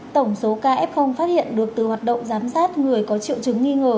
tổng số caf phát hiện được từ hoạt động giám sát người có triệu chứng nghi ngờ